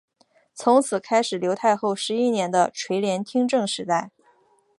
从此开始刘太后十一年的垂帘听政时代。